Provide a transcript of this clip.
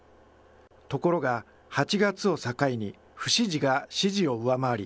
ところが、８月を境に不支持が支持を上回り、